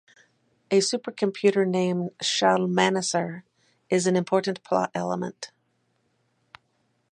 A supercomputer named Shalmaneser is an important plot element.